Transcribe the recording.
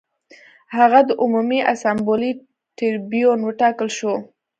هغه د عمومي اسامبلې ټربیون وټاکل شو